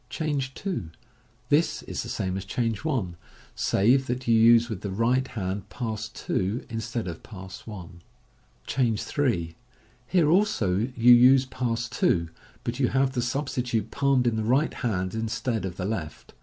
Change 2. — This is the same as Change 1, save that you use with the right hand Pass 2 instead of Pass 1. Change 3. — Here also you use Pass 2, but you have the substitute palmed in the right hand instead of the left.